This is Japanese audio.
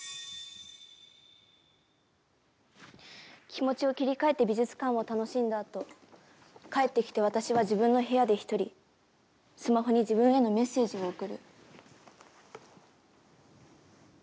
気持ちを切り替えて美術館を楽しんだあと帰ってきて私は自分の部屋で１人スマホに自分へのメッセージを送る。